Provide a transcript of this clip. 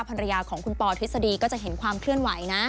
ภรรยาของคุณปอทฤษฎีก็จะเห็นความเคลื่อนไหวนะ